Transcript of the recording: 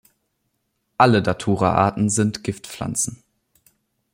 Alle "Datura"-Arten sind Giftpflanzen.